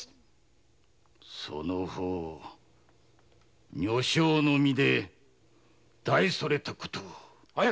その方女性の身で大それた事を。